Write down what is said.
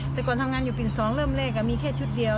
แต่ก่อนทำงานอยู่บินสองเริ่มเร่กน่ะมีแค่จุดเดียว